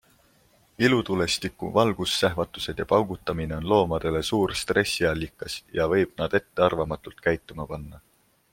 Ilutulestiku valgussähvatused ja paugutamine on loomadele suur stressiallikas ja võib nad ettearvamatult käituma panna.